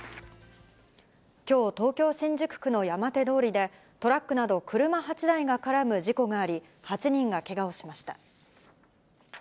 きょう、東京・新宿区の山手通りで、トラックなど車８台が絡む事故があり、８人がけがをしました。